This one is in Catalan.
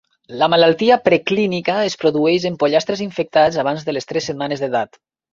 La malaltia preclínica es produeix en pollastres infectats abans de les tres setmanes d'edat.